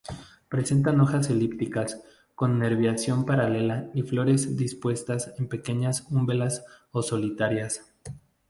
Presentan hojas elípticas con nerviación paralela y flores dispuestas en pequeñas umbelas o solitarias.